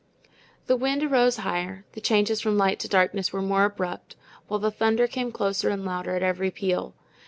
The wind arose higher, the changes from light to darkness were more abrupt, while the thunder came closer and louder at every peal.